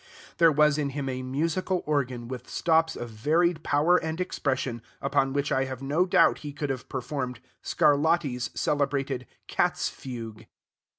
There was in him a musical organ with stops of varied power and expression, upon which I have no doubt he could have performed Scarlatti's celebrated cat's fugue.